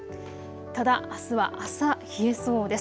ただ、あすは朝冷えそうです。